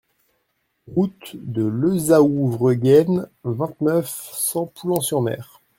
Route de Lezaouvreguen, vingt-neuf, cent Poullan-sur-Mer